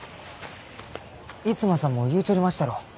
逸馬さんも言うちょりましたろ？